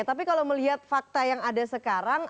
tapi kalau melihat fakta yang ada sekarang